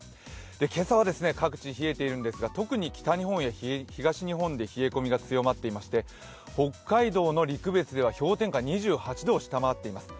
今朝は各地で冷えているんですが特に北日本や東日本で冷え込みが強まっていまして北海道の陸別では氷点下２８度を下回っています。